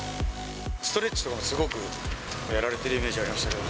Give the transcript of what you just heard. ストレッチとかもすごくやられてるイメージありましたけど。